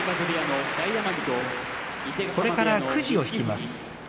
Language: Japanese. これからくじを引きます。